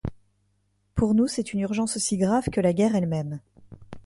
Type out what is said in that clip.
Pour nous, c'est une urgence aussi grave que la guerre elle-même.